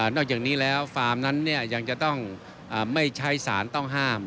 อกจากนี้แล้วฟาร์มนั้นยังจะต้องไม่ใช้สารต้องห้าม